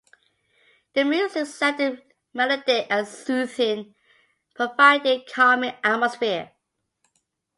The music sounded melodic and soothing, providing a calming atmosphere.